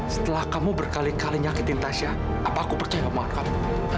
setelah kamu berkali kali nyakitin tasya apa aku percaya sama anak kamu